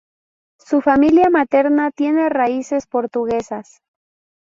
Su familia materna tiene raíces portuguesas.